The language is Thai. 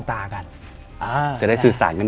แต่ขอให้เรียนจบปริญญาตรีก่อน